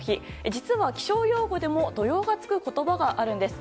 実は気象用語でも土用がつく言葉があるんです。